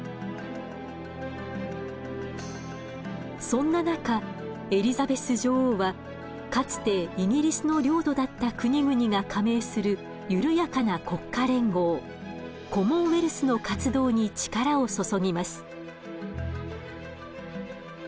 そんな中エリザベス女王はかつてイギリスの領土だった国々が加盟する緩やかな国家連合コモンウェルスの活動に力を注ぎます。